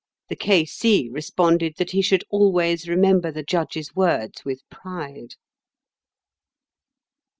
The K. C. responded that he should always remember the judge's words with pride."